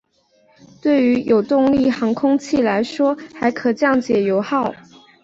对于有动力航空器来说还可降低油耗。